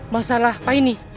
masalah pak ini